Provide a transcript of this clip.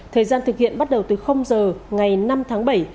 thời gian thực hiện bắt đầu từ giờ ngày năm tháng bảy